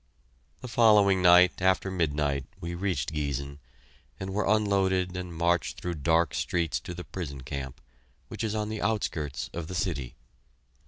The following night after midnight we reached Giessen, and were unloaded and marched through dark streets to the prison camp, which is on the outskirts of the city.